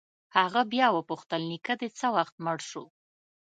هغه بيا وپوښتل نيکه دې څه وخت مړ سو.